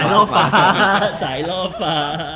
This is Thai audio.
สายรอบฟ้าสายรอบฟ้า